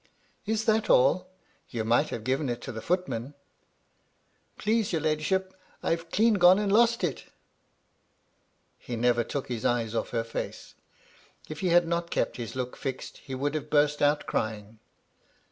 "Is that all? You might have given it to the footman." " Please your ladyship, I've clean gone and lost it." He never took his eyes off her face. If he had not kept his look fixed, he would have burst out crying.